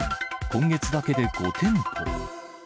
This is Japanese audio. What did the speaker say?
今月だけで５店舗。